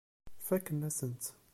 Fakken-asen-tt.